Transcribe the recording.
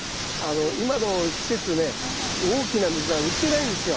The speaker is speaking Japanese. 今の季節ね大きなミズナ売ってないんですよ。